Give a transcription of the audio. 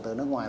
từ nước ngoài